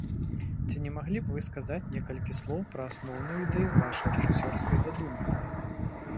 Ці не маглі б вы сказаць некалькі слоў пра асноўную ідэю вашай рэжысёрскай задумы?